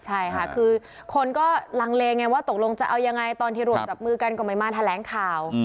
ใช่ค่ะคือคนก็ลังเลไงว่าตกลงจะเอายังไงตอนที่รวมจับมือกันก็ไม่มาแถลงข่าว